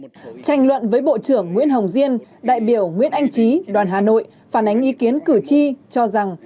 trong tranh luận với bộ trưởng nguyễn hồng diên đại biểu nguyễn anh trí đoàn hà nội phản ánh ý kiến cử tri cho rằng